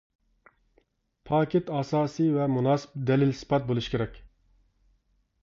پاكىت ئاساسى ۋە مۇناسىپ دەلىل-ئىسپات بولۇشى كېرەك.